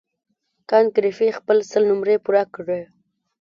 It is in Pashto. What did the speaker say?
کانت ګریفي خپله سل نمرې پوره کړې.